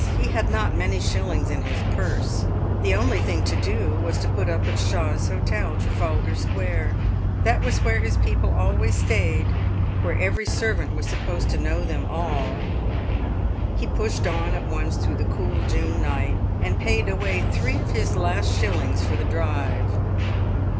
He had not many shillings in his purse. The only thing to do was to put up at Shaw's Hotel, Trafalgar Square; that was where his people always stayed, where every servant was supposed to know them all. He pushed on at once through the cool June night, and paid away three of his last shillings for the drive.